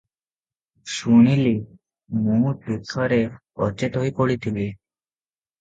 ଶୁଣିଲି, ମୁଁ ତୁଠରେ ଅଚେତ ହୋଇ ପଡିଥିଲି ।